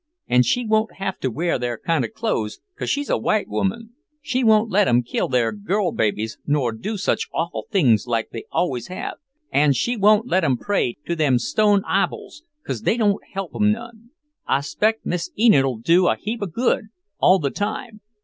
An' she won't have to wear their kind of clothes, cause she's a white woman. She won't let 'em kill their girl babies nor do such awful things like they always have, an' she won't let 'em pray to them stone iboles, cause they can't help 'em none. I 'spect Miss Enid'll do a heap of good, all the time."